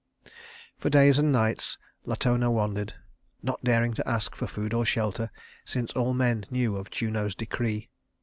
For days and nights Latona wandered, not daring to ask for food or shelter, since all men knew of Juno's decree.